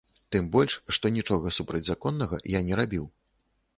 Тым больш, што нічога супрацьзаконнага я не рабіў.